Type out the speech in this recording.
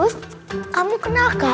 kamu kenal gak